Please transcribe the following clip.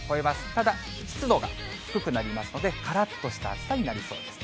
ただ、湿度が低くなりますので、からっとした暑さになりそうです。